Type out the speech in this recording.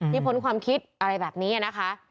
พ้นความคิดอะไรแบบนี้นะคะ